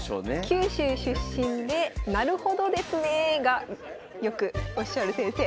九州出身で「なるほどですね」がよくおっしゃる先生。